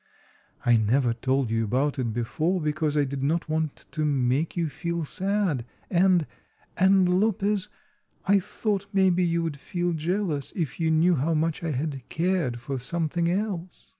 I never told you about it before, because I did not want to make you feel sad, and—and, Lopez, I thought maybe you would feel jealous if you knew how much I had cared for something else."